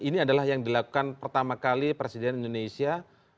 ini adalah yang dilakukan pertama kali presiden indonesia